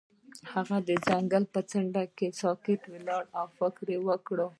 هغه د ځنګل پر څنډه ساکت ولاړ او فکر وکړ.